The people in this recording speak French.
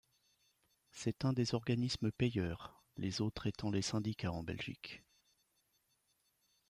C'est un des organismes payeurs, les autres étant les syndicats en Belgique.